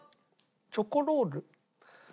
チョコロール。